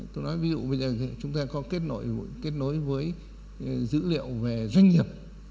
tôi nói ví dụ bây giờ chúng ta có kết nối với dữ liệu về doanh nghiệp